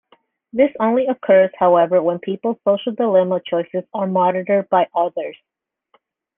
This only occurs however when people's social dilemma choices are monitored by others.